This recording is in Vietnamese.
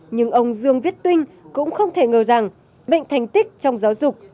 nhưng ông dương viết tuyên cũng không thể ngờ rằng bệnh thành tích trong giáo dục